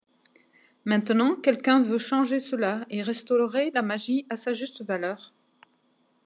Maintenant, quelqu'un veut changer cela et restaurer la magie à sa juste valeur.